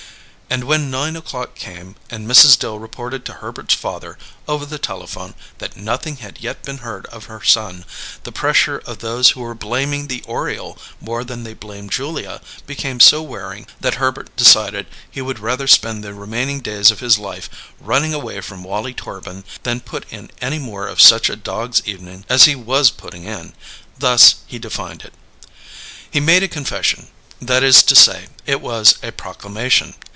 And when nine o'clock came and Mrs. Dill reported to Herbert's father, over the telephone, that nothing had yet been heard of her son, the pressure of those who were blaming the Oriole more than they blamed Julia became so wearing that Herbert decided he would rather spend the remaining days of his life running away from Wallie Torbin than put in any more of such a dog's evening as he was putting in. Thus he defined it. He made a confession; that is to say, it was a proclamation.